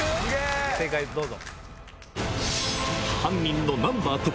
正解どうぞ。